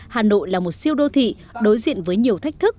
hà nội là một siêu đô thị đối diện với nhiều thách thức